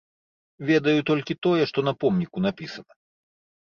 Ведаю толькі тое, што на помніку напісана.